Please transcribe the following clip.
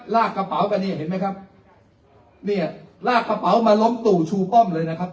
ลากกระเป๋ากันเนี่ยเห็นไหมครับเนี่ยลากกระเป๋ามาล้มตู่ชูป้อมเลยนะครับ